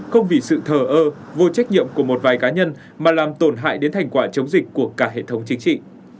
không vì sự thờ ơ vô trách nhiệm của một vài cá nhân mà làm tổn hại đến thành quả chống dịch của cả hệ thống chính trị